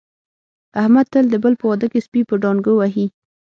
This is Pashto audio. احمد تل د بل په واده کې سپي په ډانګو وهي.